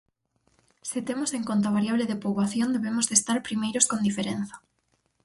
Se temos en conta a variable de poboación debemos de estar primeiros con diferenza.